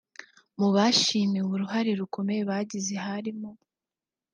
Mu bashimiwe uruhare rukomeye bagize harimo